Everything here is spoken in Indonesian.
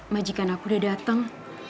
majikan aku udah dateng